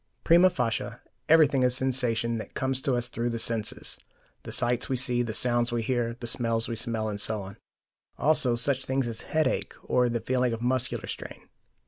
Prima facie, everything is sensation that comes to us through the senses: the sights we see, the sounds we hear, the smells we smell, and so on; also such things as headache or the feeling of muscular strain.